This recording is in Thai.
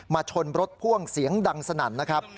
ชนรถพ่วงเสียงดังสนั่นนะครับ